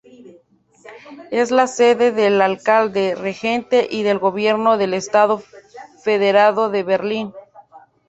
Es la sede del alcalde regente y del gobierno del estado federado de Berlín.